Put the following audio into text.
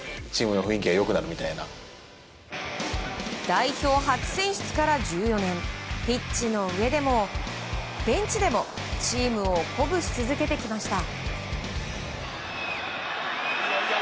代表初選出から１４年ピッチの上でもベンチでもチームを鼓舞し続けてきました。